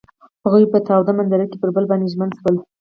هغوی په تاوده منظر کې پر بل باندې ژمن شول.